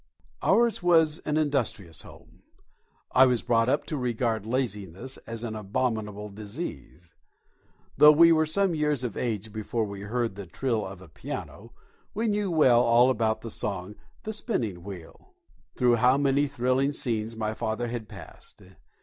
Ours was an industrious home. I was brought up to regard laziness as an abominable disease. Though we were some years of age before we heard the trill of a piano, we knew well all about the song of "The Spinning Wheel." Through how many thrilling scenes my father had passed!